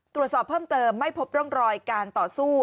ตรวจสอบเพิ่มเติมไม่พบร่องรอยการต่อสู้